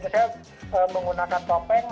saya menggunakan topeng